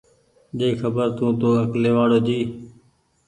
ڏي خبر تونٚ تو اڪلي وآڙو جي